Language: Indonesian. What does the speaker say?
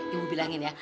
ibu bilangin ya